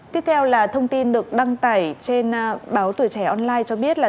tiếp theo là thông tin được đăng tải trên báo tuổi trẻ online cho biết là